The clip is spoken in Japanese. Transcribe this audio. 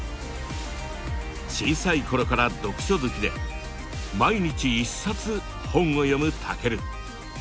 小さい頃から読書好きで毎日１冊本を読むタケル。